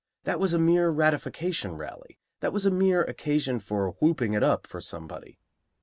That was a mere ratification rally. That was a mere occasion for "whooping it up" for somebody.